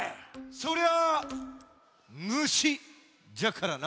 そりゃあ「むし」じゃからな。